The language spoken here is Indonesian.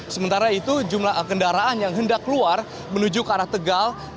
sementara itu jumlah kendaraan yang hendak keluar menuju ke arah tegal